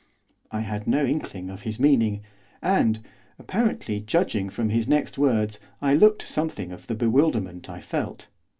I had no inkling of his meaning, and, apparently, judging from his next words, I looked something of the bewilderment I felt.